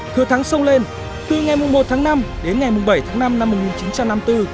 thừa thắng sông lên từ ngày một tháng năm đến ngày bảy tháng năm năm một nghìn chín trăm năm mươi bốn